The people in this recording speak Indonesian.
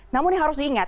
namun harus diingat